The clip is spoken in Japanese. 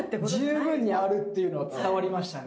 十分にあるっていうのは伝わりましたね。